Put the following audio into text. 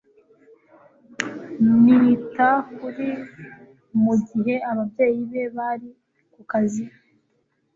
Nita kuri mugihe ababyeyi be bari kukazi.